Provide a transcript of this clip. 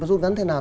rút ngắn thế nào